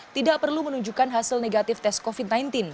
tidak perlu menunjukkan hasil negatif tes covid sembilan belas